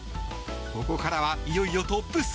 ここからは、いよいよトップ３。